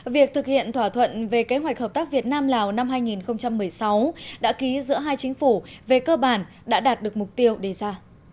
việc thực hiện thỏa thuận về kế hoạch hợp tác việt nam lào năm hai nghìn một mươi sáu đã ký giữa hai chính phủ về cơ bản đã đạt được mục tiêu đề ra